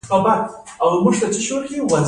د کولمو د بندیدو لپاره باید څه شی وڅښم؟